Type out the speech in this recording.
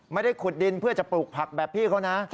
ไม่ได้ขุดดินเพื่อจะปลูกผักแบบพี่เขานะ